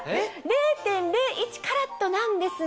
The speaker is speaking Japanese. ０．０１カラットなんですが。